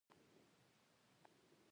بوټونه د فیشن برخه ده.